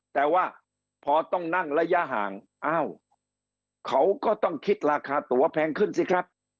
แต่ว่าพอต้องนั่งระยะห่างอ้าวเขาก็ต้องคิดราคาตัวแพงขึ้นสิครับ